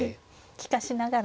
利かしながら。